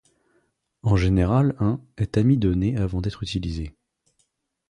En général, un ' est amidonné avant d'être utilisé.